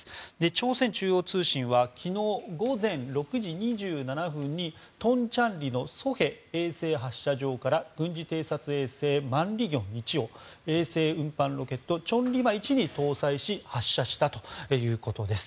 朝鮮中央通信は昨日午前６時２７分にトンチャンリのソヘ衛星発射場から軍事偵察衛星「マンリギョン１」を衛星運搬ロケット「チョンリマ１」に搭載し発射したということです。